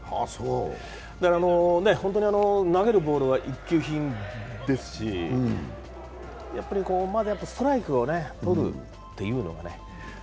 投げるボールは一級品ですし、まずストライクを取るというのがね。